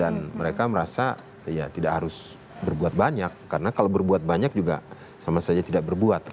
dan mereka merasa ya tidak harus berbuat banyak karena kalau berbuat banyak juga sama saja tidak berbuat